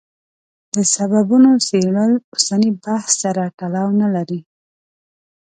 د سببونو څېړل اوسني بحث سره تړاو نه لري.